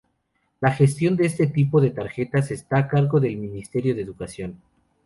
La gestión de este tipo de tarjetas está a cargo del Ministerio de Educación.